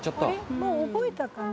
もう覚えたかな？